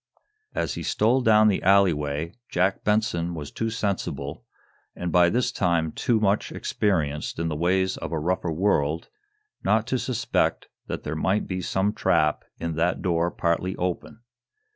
As he stole down the alley way Jack Benson was too sensible, and by this time, too much experienced in the ways of a rougher world, not to suspect that there might be some trap in that door partly open.